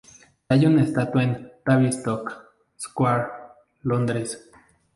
Se halla una estatua en Tavistock Square, Londres.